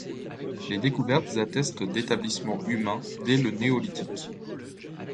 Les découvertes attestent d'établissements humains dès le Néolithique.